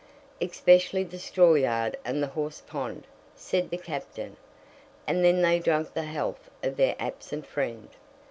"Especially the straw yard and the horse pond," said the Captain. And then they drank the health of their absent friend.